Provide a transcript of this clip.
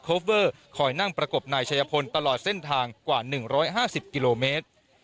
คอเวอร์คอยนั่งประกบนายชายพลตลอดเส้นทางกว่าหนึ่งร้อยห้าสิบกิโลเมตร